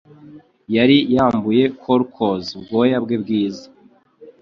yari yambuye Colchos ubwoya bwe bwiza